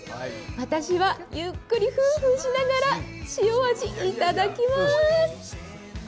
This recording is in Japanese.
私はゆっくり、ふうふうしながら塩味、頂きます。